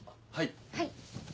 はい。